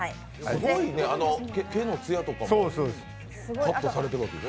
すごいね、毛のつやとかもカットされてるわけね。